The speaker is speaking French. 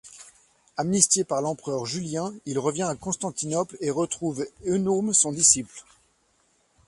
Amnistié par l'empereur Julien, il revient à Constantinople et retrouve Eunome son disciple.